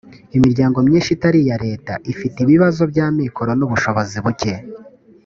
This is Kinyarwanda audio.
imiryango myinshi itari iya leta ifite ibibazo by’ amikoro n’ ubushobozi buke